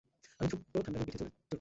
আমি ছোট্ট থান্ডারের পিঠে চড়ছি!